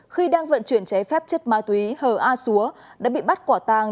khi đang vận chuyển cháy phép chất ma túy hờ a xúa đã bị bắt quả tàng